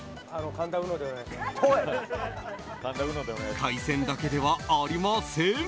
海鮮だけではありません。